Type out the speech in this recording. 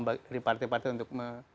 dari partai partai untuk